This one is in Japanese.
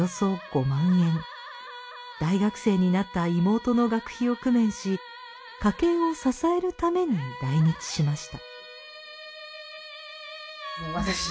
大学生になった妹の学費を工面し家計を支えるために来日しました。